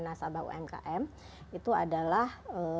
nasabah umkm itu adalah